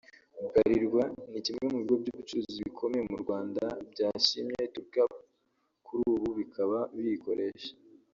Bralirwa ni kimwe mu bigo by’ubucuruzi bikomeye mu Rwanda byashimye TorQue App kuri ubu bikaba biyikoresha